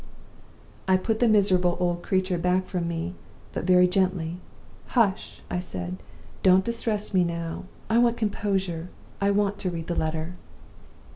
"I put the miserable old creature back from me, but very gently. 'Hush!' I said. 'Don't distress me now. I want composure; I want to read the letter.